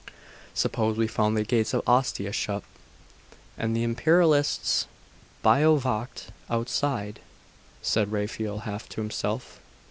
'Suppose we found the gates of Ostia shut, and the Imperialists bivouacked outside?' said Raphael half to himself.